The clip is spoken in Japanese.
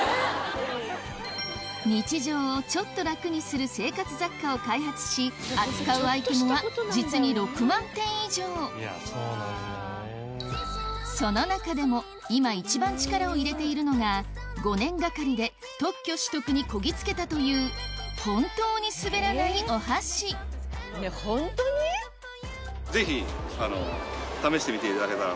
日常をちょっと楽にする生活雑貨を開発し扱うアイテムは実に６万点以上その中でも５年がかりで特許取得にこぎ着けたというぜひ試してみていただけたら。